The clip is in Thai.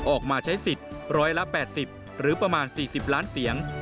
ออกมาใช้สิทธิ์๑๘๐หรือประมาณ๔๐ล้านเสียง